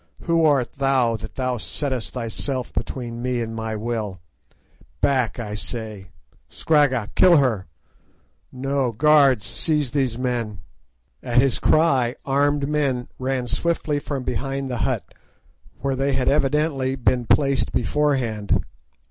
Who art thou that thou settest thyself between me and my will? Back, I say. Scragga, kill her! Ho, guards! seize these men." At his cry armed men ran swiftly from behind the hut, where they had evidently been placed beforehand.